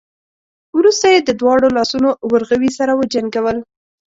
وروسته يې د دواړو لاسونو ورغوي سره وجنګول.